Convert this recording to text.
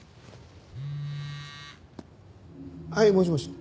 はいもしもし？